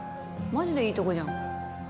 マジでいいとこじゃん。